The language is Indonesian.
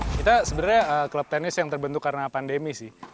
kita sebenarnya klub tenis yang terbentuk karena pandemi sih